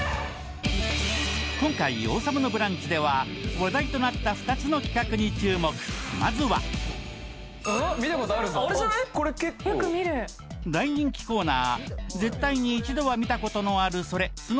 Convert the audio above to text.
今回「王様のブランチ」では話題となった２つの企画に注目まずは大人気コーナー「絶対に１度は見たことのあるソレ！」